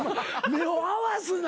目を合わすなよ